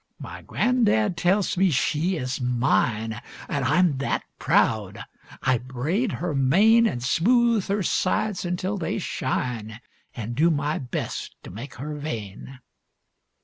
My gran'dad tells me she is mine, An' I'm that proud! I braid her mane, An' smooth her sides until they shine, An' do my best to make her vain.